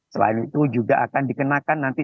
selain itu juga akan dikenakan nanti